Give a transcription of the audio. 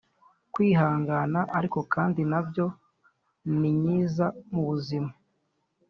kwihangana ariko kandi nabyo ni nyiza mu buzima